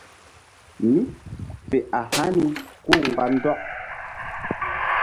Mí fe a hani kú-u mgba ndɔk.